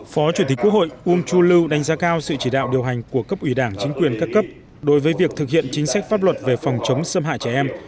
phó chủ tịch quốc hội uông chu lưu đánh giá cao sự chỉ đạo điều hành của cấp ủy đảng chính quyền các cấp đối với việc thực hiện chính sách pháp luật về phòng chống xâm hại trẻ em